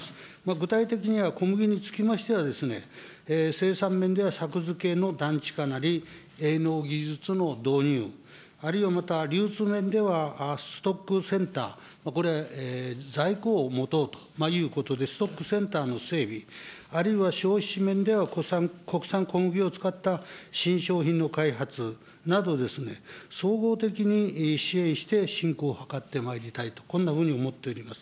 具体的には小麦につきましては、生産面では作付けのだんちかなり、営農技術の導入、あるいはまた流通面では、ストップセンター、これ、在庫を持とうということで、ストップセンターの整備、あるいは消費面では、国産小麦を使った新商品の開発などですね、総合的に支援してしんこうを図ってまいりたいと、こんなふうに思っております。